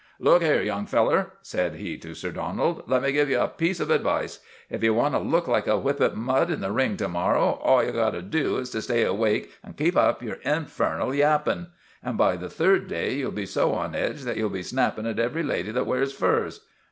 * Look here, young feller !" said he to Sir Donald. ' Let me give you a piece of advice. If you want to look like a whipped mutt in the ring to morrow, all you 've got to do is to stay awake and keep up your infernal yapping. And by the third day you '11 be so on edge that you '11 be snapping at every lady that wears furs.